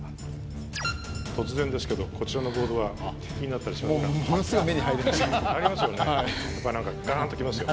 突然ですけどこちらのボードは気になりますか？